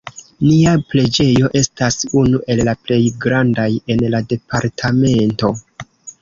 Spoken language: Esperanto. Nia preĝejo estas unu el la plej grandaj en la departamento.